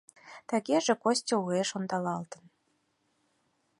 Тыгеже Костя уэш ондалалтын.